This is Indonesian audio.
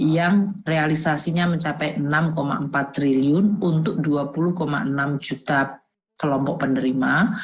yang realisasinya mencapai enam empat triliun untuk dua puluh enam juta kelompok penerima